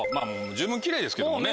十分キレイですけどもね。